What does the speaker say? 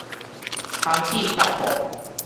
通氣貼布